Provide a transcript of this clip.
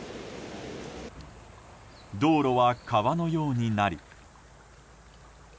道路は川のようになり。